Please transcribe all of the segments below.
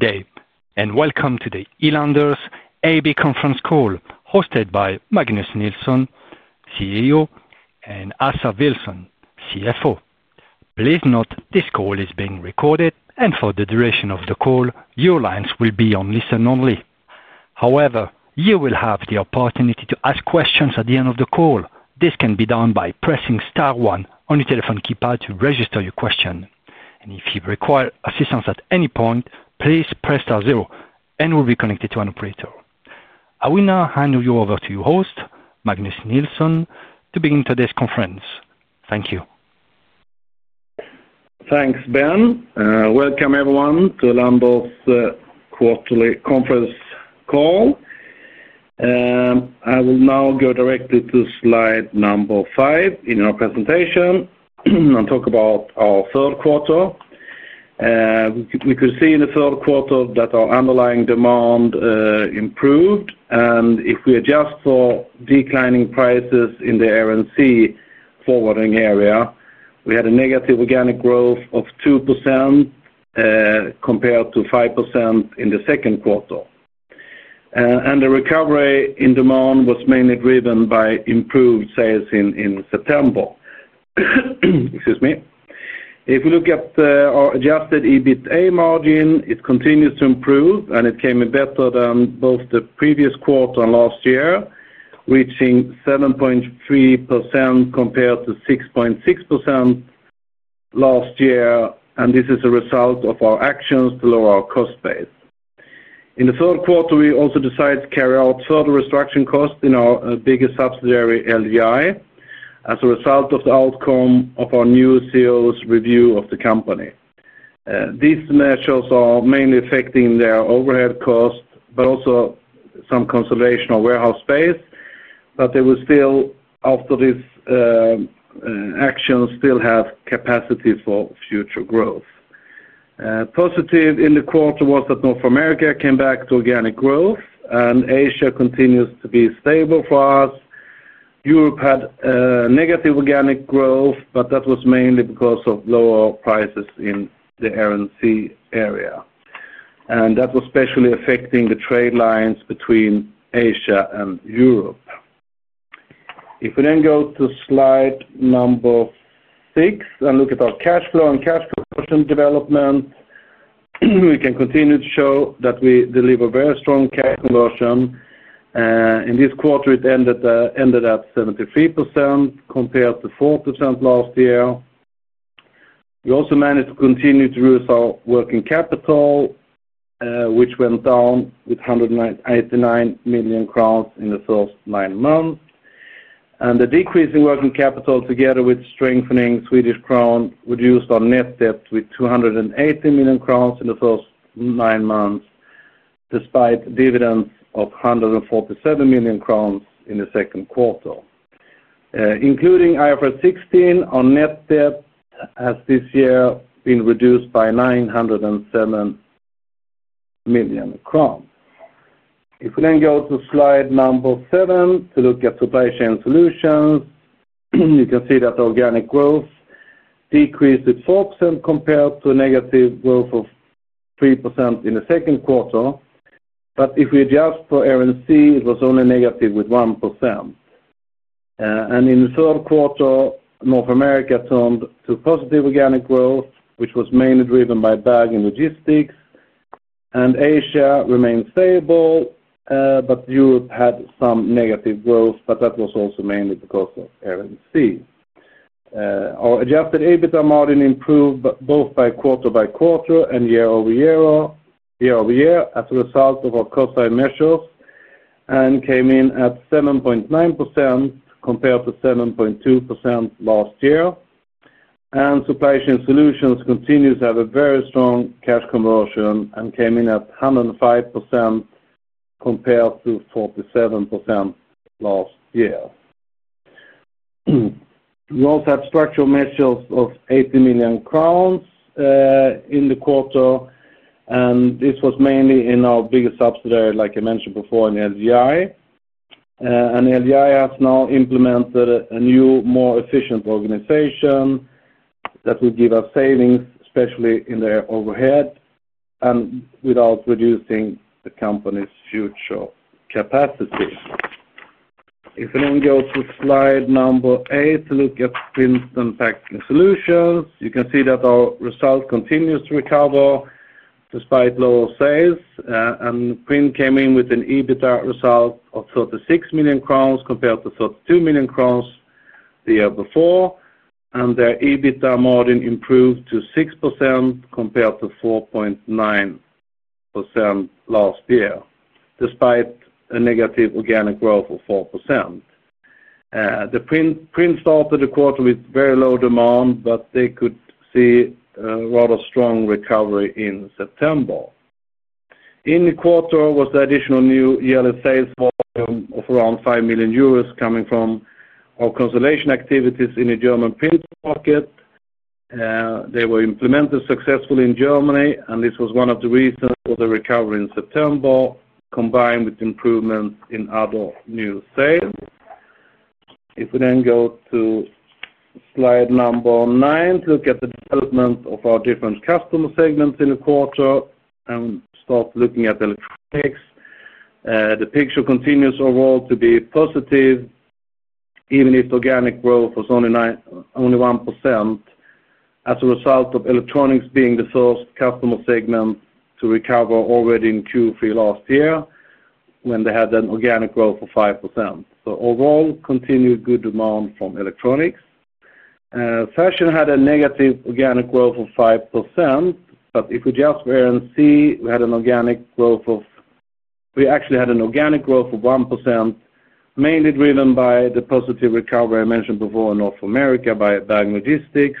Good day, and welcome to the Elanders AB conference call hosted by Magnus Nilsson, CEO, and Åsa Vilsson, CFO. Please note this call is being recorded, and for the duration of the call, your lines will be on listen only. However, you will have the opportunity to ask questions at the end of the call. This can be done by pressing star one on your telephone keypad to register your question. If you require assistance at any point, please press star zero and we'll be connected to an operator. I will now hand you over to your host, Magnus Nilsson, to begin today's conference. Thank you. Thanks, Ben. Welcome, everyone, to Elanders' quarterly conference call. I will now go directly to slide number five in our presentation and talk about our third quarter. We could see in the third quarter that our underlying demand improved, and if we adjust for declining prices in the Air and Sea forwarding area, we had a negative organic growth of 2% compared to 5% in the second quarter. The recovery in demand was mainly driven by improved sales in September. If we look at our adjusted EBITDA margin, it continues to improve, and it came in better than both the previous quarter and last year, reaching 7.3% compared to 6.6% last year, and this is a result of our actions to lower our cost base. In the third quarter, we also decided to carry out further restructuring costs in our biggest subsidiary, LGI, as a result of the outcome of our new CEO's review of the company. These measures are mainly affecting their overhead cost but also some conservation of warehouse space, but they will still, after these actions, still have capacity for future growth. Positive in the quarter was that North America came back to organic growth, and Asia continues to be stable for us. Europe had negative organic growth, but that was mainly because of lower prices in the Air and Sea area. That was especially affecting the trade lines between Asia and Europe. If we then go to slide number six and look at our cash flow and cash conversion development, we can continue to show that we deliver very strong cash conversion. In this quarter, it ended at 73% compared to 4% last year. We also managed to continue to use our working capital, which went down by 189 million crowns in the first nine months. The decrease in working capital, together with strengthening Swedish crown, reduced our net debt by 280 million crowns in the first nine months, despite dividends of 147 million crowns in the second quarter. Including IFRS 16, our net debt has this year been reduced by 907 million crown. If we then go to slide number seven to look at Supply Chain Solutions, you can see that organic growth decreased by 4% compared to a negative growth of 3% in the second quarter. If we adjust for Air and Sea, it was only negative by 1%. In the third quarter, North America turned to positive organic growth, which was mainly driven by bagging logistics, and Asia remained stable, while Europe had some negative growth, but that was also mainly because of Air and Sea. Our adjusted EBITDA margin improved both quarter by quarter and year over year as a result of our cost-side measures and came in at 7.9% compared to 7.2% last year. Supply Chain Solutions continues to have a very strong cash conversion and came in at 105% compared to 47% last year. We also had structural measures of 80 million crowns in the quarter, and this was mainly in our biggest subsidiary, like I mentioned before, in LGI. LGI has now implemented a new, more efficient organization that will give us savings, especially in the overhead and without reducing the company's future capacity. If we then go to slide number eight to look at Print & Packaging Solutions, you can see that our result continues to recover despite lower sales, and Print came in with an EBITDA result of 36 million crowns compared to 32 million crowns the year before. Their EBITDA margin improved to 6% compared to 4.9% last year, despite a negative organic growth of 4%. Print started the quarter with very low demand, but they could see a rather strong recovery in September. In the quarter was the additional new yearly sales volume of around €5 million coming from our consolidation activities in the German print market. They were implemented successfully in Germany, and this was one of the reasons for the recovery in September, combined with improvements in other new sales. If we then go to slide number nine to look at the development of our different customer segments in the quarter and start looking at electronics, the picture continues overall to be positive, even if organic growth was only 1% as a result of electronics being the first customer segment to recover already in Q3 last year when they had an organic growth of 5%. Overall, continued good demand from electronics. Fashion had a negative organic growth of 5%, but if we just wait and see, we actually had an organic growth of 1%, mainly driven by the positive recovery I mentioned before in North America by bagging logistics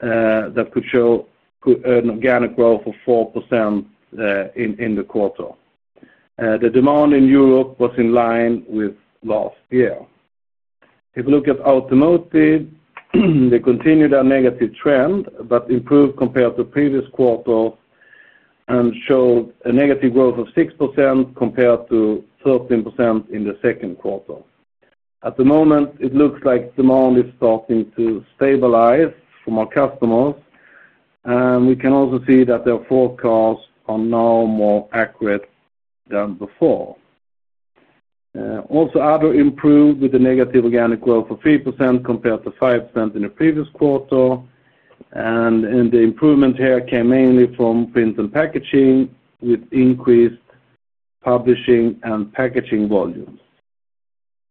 that could show an organic growth of 4% in the quarter. The demand in Europe was in line with last year. If we look at automotive, they continued that negative trend but improved compared to previous quarters and showed a negative growth of 6% compared to 13% in the second quarter. At the moment, it looks like demand is starting to stabilize from our customers, and we can also see that their forecasts are now more accurate than before. Also, other improved with a negative organic growth of 3% compared to 5% in the previous quarter, and the improvement here came mainly from Print & Packaging Solutions with increased publishing and packaging volumes.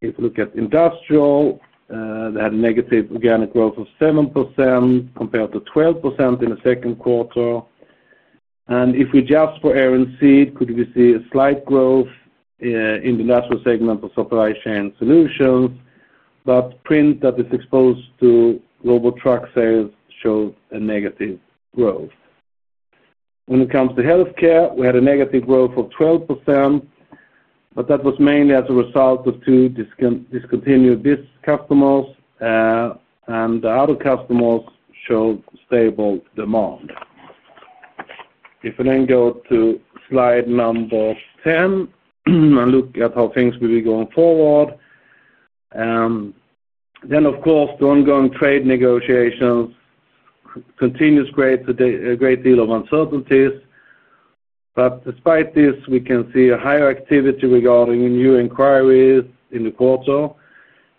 If we look at industrial, they had a negative organic growth of 7% compared to 12% in the second quarter. If we adjust for Air and Sea, we could see a slight growth in the natural segment of Supply Chain Solutions, but print that is exposed to global truck sales showed a negative growth. When it comes to healthcare, we had a negative growth of 12%, but that was mainly as a result of two discontinued disc customers, and the other customers showed stable demand. If we then go to slide number 10 and look at how things will be going forward, the ongoing trade negotiations continue to create a great deal of uncertainties. Despite this, we can see a higher activity regarding new inquiries in the quarter,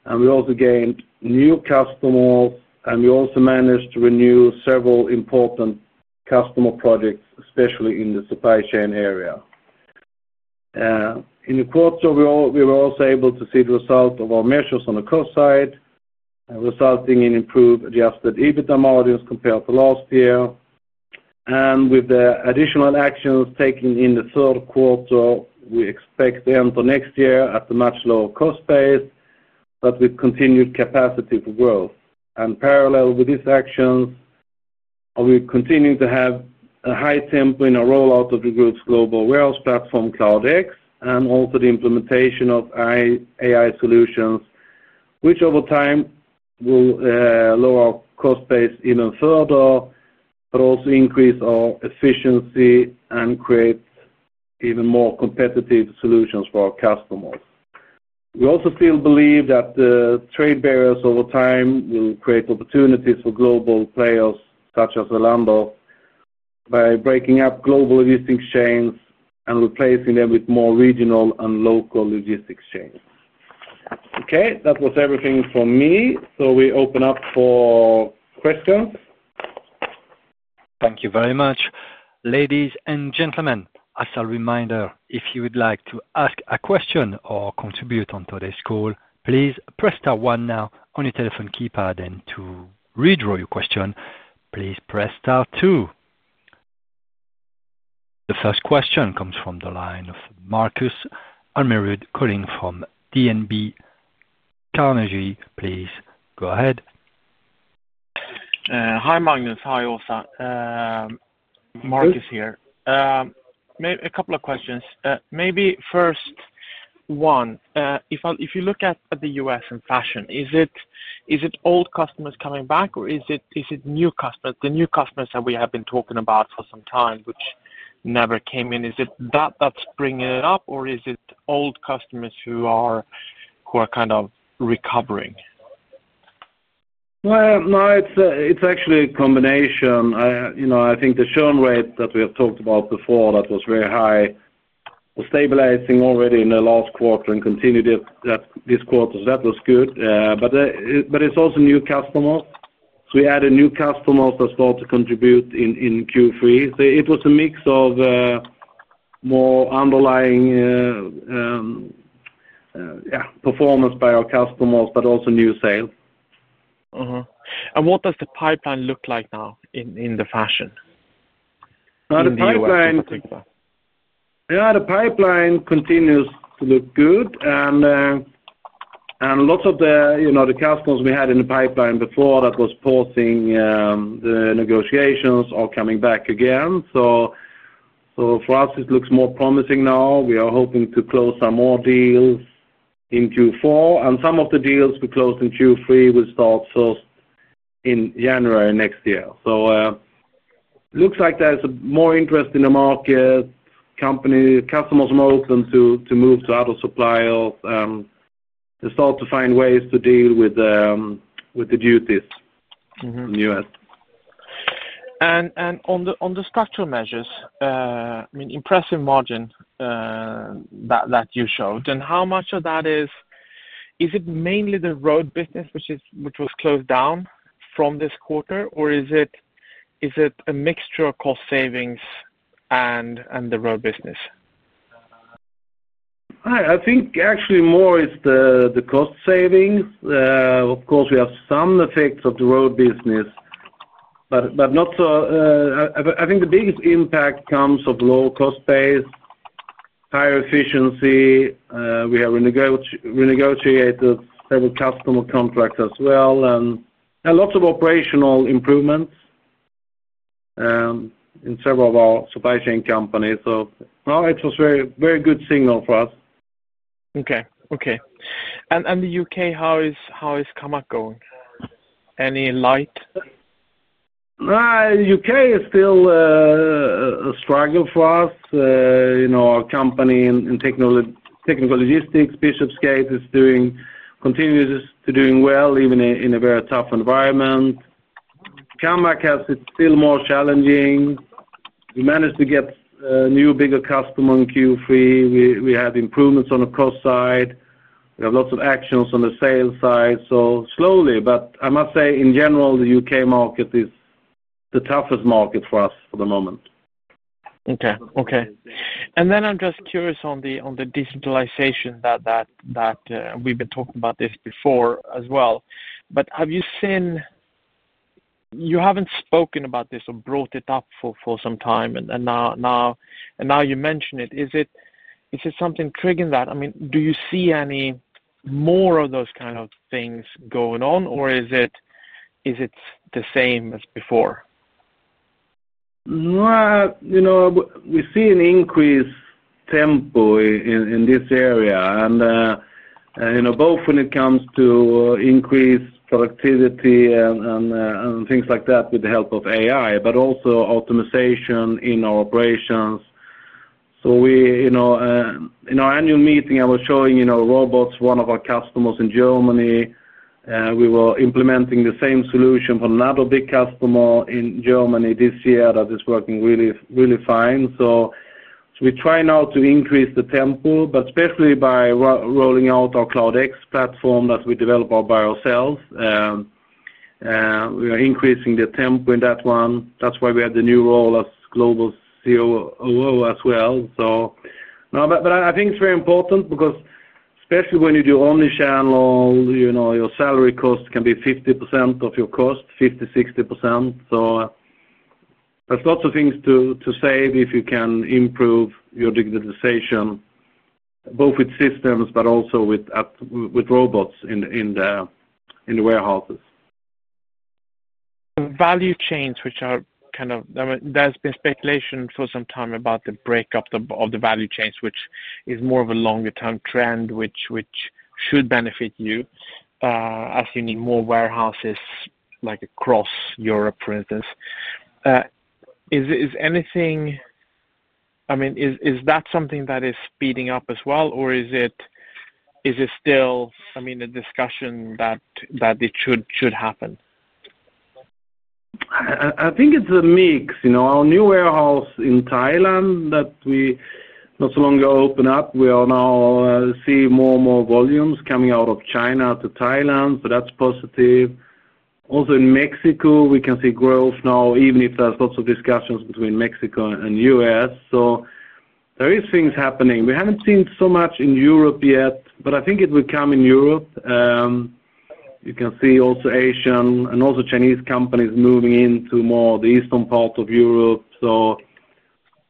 and we also gained new customers, and we also managed to renew several important customer projects, especially in the supply chain area. In the quarter, we were also able to see the result of our measures on the cost side, resulting in improved adjusted EBITDA margins compared to last year. With the additional actions taken in the third quarter, we expect to enter next year at a much lower cost base but with continued capacity for growth. Parallel with these actions, we continue to have a high tempo in our rollout of the group's global warehouse platform, CloudX, and also the implementation of AI solutions, which over time will lower our cost base even further but also increase our efficiency and create even more competitive solutions for our customers. We also still believe that the trade barriers over time will create opportunities for global players such as Elanders by breaking up global logistics chains and replacing them with more regional and local logistics chains. That was everything from me. We open up for questions. Thank you very much. Ladies and gentlemen, as a reminder, if you would like to ask a question or contribute on today's call, please press star one now on your telephone keypad. To withdraw your question, please press star two. The first question comes from the line of Markus Almerud calling from DNB Carnegie. Please go ahead. Hi, Magnus. Hi, Åsa. Markus here. Hi. A couple of questions. Maybe first one, if you look at the U.S and fashion, is it old customers coming back, or is it new customers, the new customers that we have been talking about for some time, which never came in? Is it that that's bringing it up, or is it old customers who are kind of recovering? It's actually a combination. I think the shown rate that we have talked about before that was very high was stabilizing already in the last quarter and continued this quarter, so that was good. It's also new customers. We added new customers that start to contribute in Q3. It was a mix of more underlying performance by our customers but also new sales. What does the pipeline look like now in the fashion? The pipeline continues to look good. Lots of the customers we had in the pipeline before that were pausing the negotiations are coming back again. For us, it looks more promising now. We are hoping to close some more deals in Q4, and some of the deals we closed in Q3 will start first in January next year. It looks like there's more interest in the market. Customers are more open to move to other suppliers and start to find ways to deal with the duties in the U.S. On the structural measures, impressive margin that you showed. How much of that is, is it mainly the road transportation business, which was closed down from this quarter, or is it a mixture of cost savings and the road transportation business? I think actually more is the cost savings. Of course, we have some effects of the road transportation business, but not so. I think the biggest impact comes of lower cost base, higher efficiency. We have renegotiated several customer contracts as well, and lots of operational improvements in several of our supply chain companies. It was a very good signal for us. Okay. Okay. In the UK, how is Kammac? Any light? The UK is still a struggle for us. You know, our company in technical logistics, Bishop’s Move, continues to do well, even in a very tough environment. Kammac is still more challenging. We managed to get a new, bigger customer in Q3. We had improvements on the cost side. We have lots of actions on the sales side. Slowly, but I must say, in general, the UK market is the toughest market for us at the moment. Okay. I'm just curious on the digitalization that we've been talking about before as well. Have you seen, you haven't spoken about this or brought it up for some time, and now you mention it. Is it something triggering that? I mean, do you see any more of those kind of things going on, or is it the same as before? You know we see an increased tempo in this area, and you know both when it comes to increased productivity and things like that with the help of AI, but also optimization in our operations. In our annual meeting, I was showing robots, one of our customers in Germany. We were implementing the same solution for another big customer in Germany this year that is working really, really fine. We try now to increase the tempo, especially by rolling out our CloudX platform that we developed by ourselves. We are increasing the tempo in that one. That's why we have the new role as Global COO as well. I think it's very important because especially when you do omnichannel, your salary cost can be 50% of your cost, 50, 60%.There's lots of things to save if you can improve your digitalization, both with systems but also with robots in the warehouses. Value chains, which are kind of, I mean, there's been speculation for some time about the breakup of the value chains, which is more of a longer-term trend, which should benefit you as you need more warehouses like across Europe, for instance. Is anything, I mean, is that something that is speeding up as well, or is it still a discussion that it should happen? I think it's a mix. You know, our new warehouse in Thailand that we not so long ago opened up, we are now seeing more and more volumes coming out of China to Thailand, so that's positive. Also, in Mexico, we can see growth now, even if there's lots of discussions between Mexico and the U.S. There are things happening. We haven't seen so much in Europe yet, but I think it will come in Europe. You can see also Asian and also Chinese companies moving into more of the eastern part of Europe.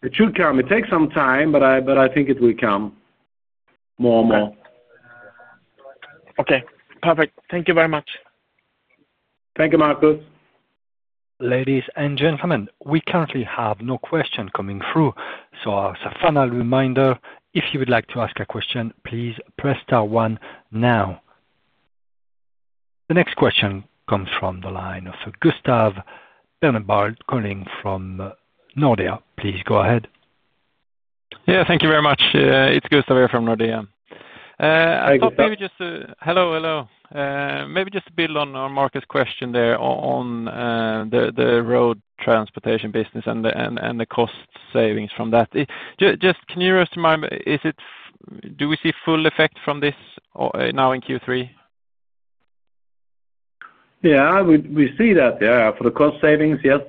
It should come. It takes some time, but I think it will come more and more. Okay. Perfect. Thank you very much. Thank you, Markus. Ladies and gentlemen, we currently have no questions coming through. As a final reminder, if you would like to ask a question, please press star one now. The next question comes from the line of Gustav Berneblad calling from Nordea. Please go ahead. Thank you very much. It's Gustav here from Nordea. Hey, Gustav. Maybe just to build on Markus' question there on the road transportation business and the cost savings from that. Can you just remind me, do we see full effect from this now in Q3? Yeah, we see that, yeah, for the cost savings, yes.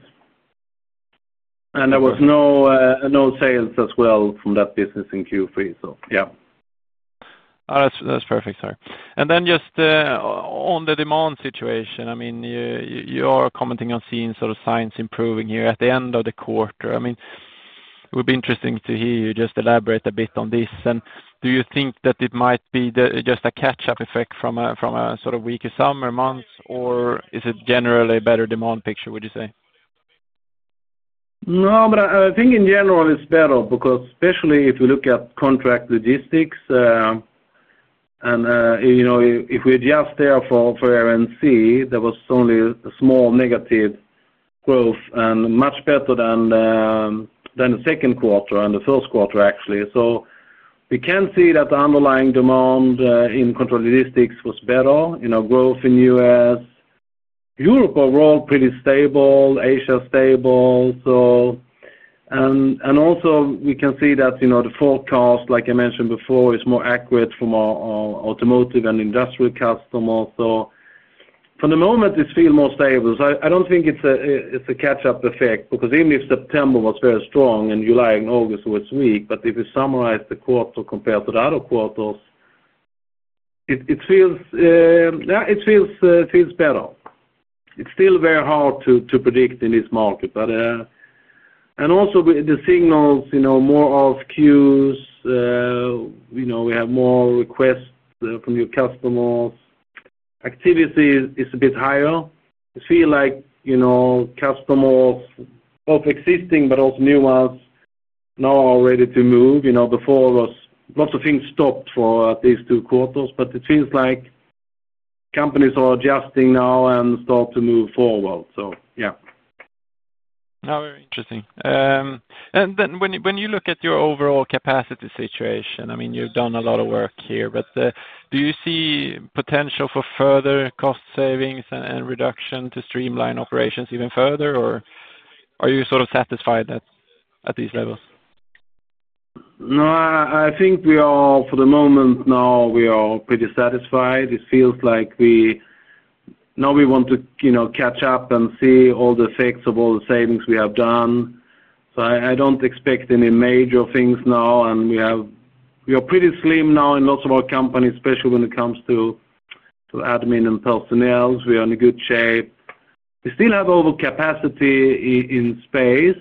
There was no sales as well from that business in Q3, so yeah. Oh, that's perfect, sir. Just on the demand situation, you are commenting on seeing sort of signs improving here at the end of the quarter. It would be interesting to hear you just elaborate a bit on this. Do you think that it might be just a catch-up effect from a sort of weaker summer month, or is it generally a better demand picture, would you say? No, but I think in general, it's better because especially if we look at contract logistics, and if we adjust there for Air and Sea, there was only a small negative growth and much better than the second quarter and the first quarter, actually. We can see that the underlying demand in contract logistics was better. Growth in the U.S., Europe overall pretty stable, Asia stable. We can also see that the forecast, like I mentioned before, is more accurate from our automotive and industrial customers. For the moment, this feels more stable. I don't think it's a catch-up effect because even if September was very strong and July and August were weak, if you summarize the quarter compared to the other quarters, it feels better. It's still very hard to predict in this market. Also, the signals, more of queues, we have more requests from our customers. Activity is a bit higher. It feels like customers, existing but also new ones, now are ready to move. Before, lots of things stopped for at least two quarters, but it feels like companies are adjusting now and starting to move forward. Yeah. Oh, very interesting. When you look at your overall capacity situation, I mean, you've done a lot of work here, but do you see potential for further cost savings and reduction to streamline operations even further, or are you sort of satisfied at these levels? No, I think we are, for the moment, pretty satisfied. It feels like we want to, you know, catch up and see all the effects of all the savings we have done. I don't expect any major things now. We are pretty slim now in lots of our companies, especially when it comes to admin and personnel. We are in good shape. We still have overcapacity in space,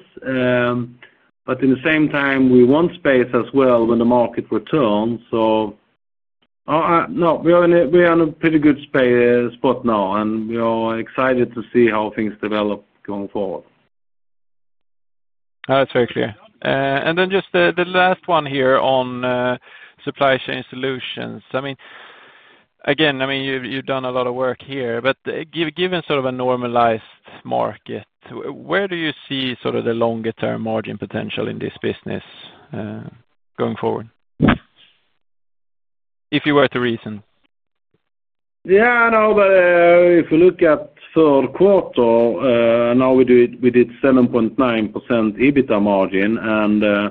but at the same time, we want space as well when the market returns. We are in a pretty good spot now, and we are excited to see how things develop going forward. Oh, that's very clear. Just the last one here on Supply Chain Solutions. I mean, again, you've done a lot of work here, but given sort of a normalized market, where do you see sort of the longer-term margin potential in this business going forward, if you were to reason? Yeah, I know, but if we look at the third quarter, now we did 7.9% EBITDA margin, and the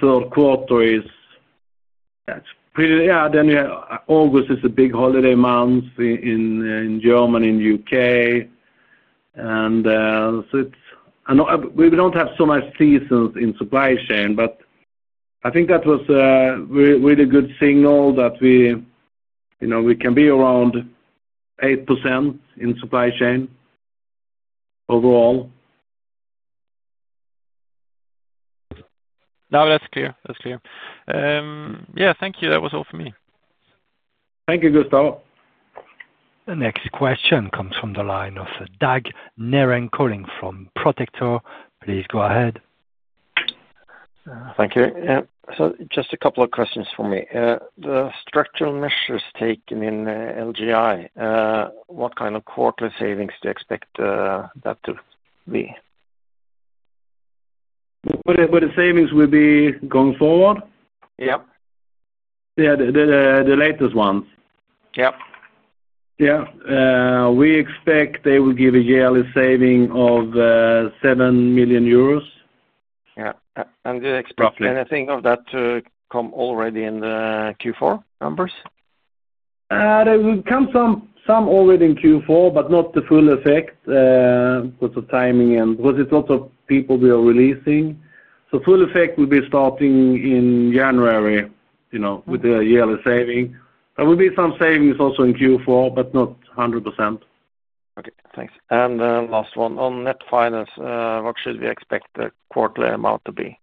third quarter is pretty, yeah, August is a big holiday month in Germany, in the UK. It's we don't have so much seasons in supply chain, but I think that was a really good signal that we, you know, we can be around 8% in supply chain overall. No, that's clear. That's clear. Yeah, thank you. That was all for me. Thank you, Gustav. The next question comes from the line of Dag Nehren calling from Protector. Please go ahead. Thank you. Just a couple of questions for me. The structural measures taken in LGI, what kind of quarterly savings do you expect that to be? What will the savings be going forward? Yep. Yeah, the latest ones? Yep. Yeah, we expect they will give a yearly saving of €7 million. Do you expect anything of that to come already in the Q4 numbers? There will come some already in Q4, but not the full effect because of timing and because it's lots of people we are releasing. The full effect will be starting in January, you know, with the yearly saving. There will be some savings also in Q4, but not 100%. Okay. Thanks. Last one, on net finance, what should we expect the quarterly amount to be?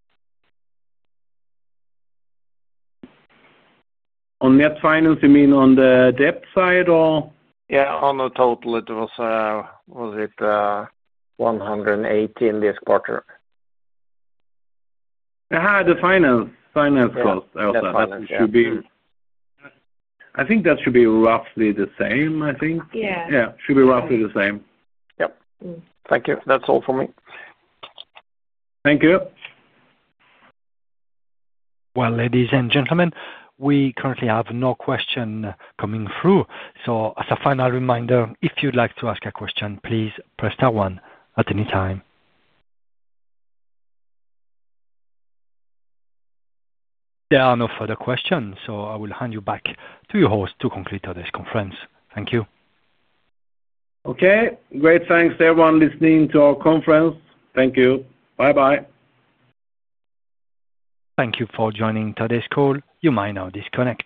On net finance, you mean on the debt side, or? Yeah, on the total. Was it 118 this quarter? Yeah, the finance cost, I would say, I think that should be roughly the same. Yeah, yeah, it should be roughly the same. Yep. Thank you. That's all for me. Thank you. Ladies and gentlemen, we currently have no question coming through. As a final reminder, if you'd like to ask a question, please press star one at any time. There are no further questions, so I will hand you back to your host to complete today's conference. Thank you. Okay. Great. Thanks, everyone, listening to our conference. Thank you. Bye-bye. Thank you for joining today's call. You may now disconnect.